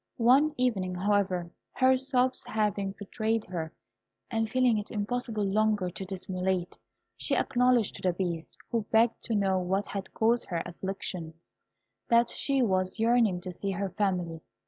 One evening, however, her sobs having betrayed her, and feeling it impossible longer to dissimulate, she acknowledged to the Beast, who begged to know what had caused her afflictions, that she was yearning to see her family.